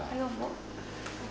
aduh luar biasa